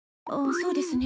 そうですね